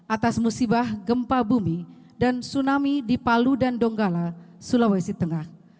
atas musibah gempa bumi dan tsunami di palu dan donggala sulawesi tengah